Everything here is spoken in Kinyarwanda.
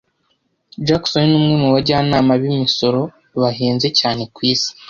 Jackson ni umwe mu bajyanama b'imisoro bahenze cyane ku isi.